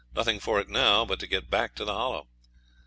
Nothing for it now but to get back to the Hollow.